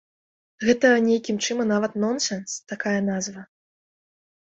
Гэта нейкім чынам нават нонсенс, такая назва.